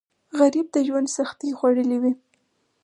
غریب د ژوند سختۍ خوړلي وي